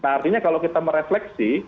artinya kalau kita merefleksi